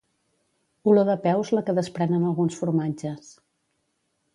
Olor de peus la que desprenen alguns formatges